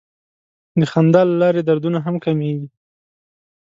د خندا له لارې دردونه هم کمېږي.